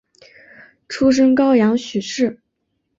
出身高阳许氏。